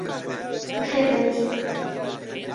بەخێربێن.